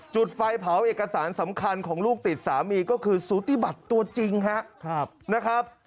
จุดไฟเผาเอกสารสำคัญของลูกติดสามีก็คือสูติบัติตัวจริงนะครับ